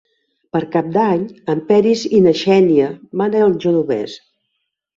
Per Cap d'Any en Peris i na Xènia van al Genovés.